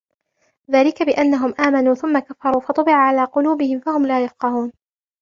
ذَلِكَ بِأَنَّهُمْ آمَنُوا ثُمَّ كَفَرُوا فَطُبِعَ عَلَى قُلُوبِهِمْ فَهُمْ لَا يَفْقَهُونَ